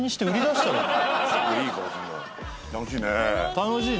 楽しいね。